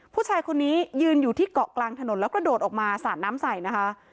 ผู้ชายคนนี้ยืนอยู่ที่เกาะกลางถนนแล้วกระโดดออกมาสาดน้ำใส่นะคะ